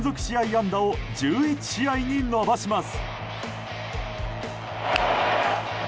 安打を１１試合に伸ばします。